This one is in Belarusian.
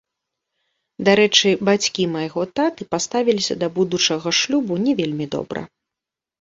Дарэчы, бацькі майго таты паставіліся да будучага шлюбу не вельмі добра.